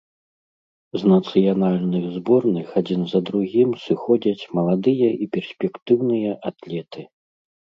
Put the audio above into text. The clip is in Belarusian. З нацыянальных зборных адзін за другім сыходзяць маладыя і перспектыўныя атлеты.